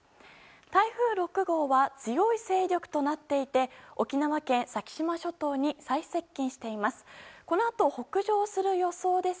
台風６号は強い勢力となっていて沖縄県先島諸島に最接近しています。